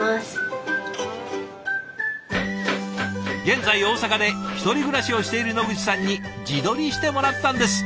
現在大阪で１人暮らしをしている野口さんに自撮りしてもらったんです。